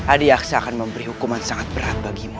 adi aksa akan memberi hukuman sangat berat bagimu